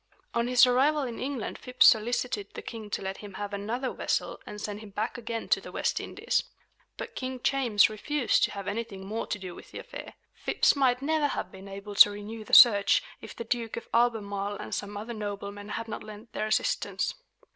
On his arrival in England Phips solicited the king to let him have another vessel and send him back again to the West Indies. But King James refused to have anything more to do with the affair. Phips might never have been able to renew the search if the Duke of Albemarle and some other noblemen had not lent their assistance.